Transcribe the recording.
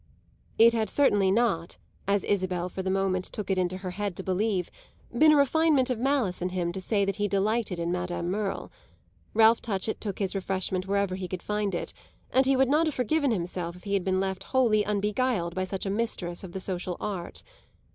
It had certainly not, as Isabel for the moment took it into her head to believe, been a refinement of malice in him to say that he delighted in Madame Merle. Ralph Touchett took his refreshment wherever he could find it, and he would not have forgiven himself if he had been left wholly unbeguiled by such a mistress of the social art.